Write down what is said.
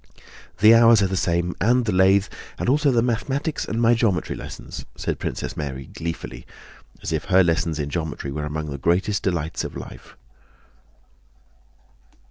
"The hours are the same, and the lathe, and also the mathematics and my geometry lessons," said Princess Mary gleefully, as if her lessons in geometry were among the greatest delights of her life.